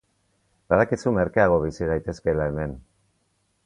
Badakizu merkeago bizi gaitezkeela hemen.